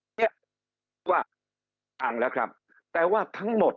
ที่ว่าเป็นแต่ว่าทั้งหมด